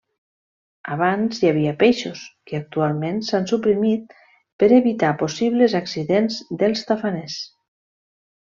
Abans hi havia peixos, que actualment s'han suprimit per evitar possibles accidents dels tafaners.